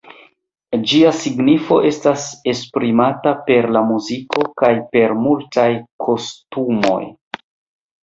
Ĝia signifo estas esprimata per la muziko kaj per multaj kostumoj.